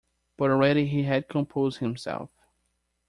But already he had composed himself.